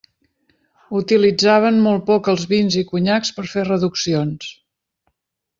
Utilitzaven molt poc els vins i conyacs per a fer reduccions.